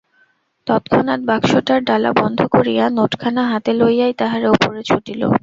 তৎক্ষণাৎ বাক্সটার ডালা বন্ধ করিয়া, নোটখানা হাতে লইয়াই তাহারা উপরে ছুটিল।